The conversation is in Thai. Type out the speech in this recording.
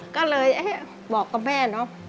ก็เลยบอกกับแม่